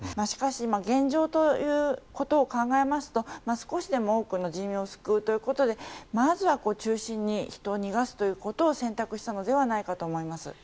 しかし現状ということを考えますと少しでも多くの人民を救うということでまずは中心に人を逃がすということを選択したのではないかと思います。